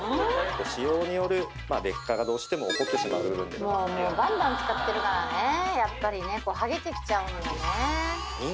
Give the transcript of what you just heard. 使用による劣化がどうしても起こってしまう部分でもうバンバン使ってるからねやっぱりねハゲてきちゃうもんね